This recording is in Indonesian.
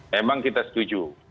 memang kita setuju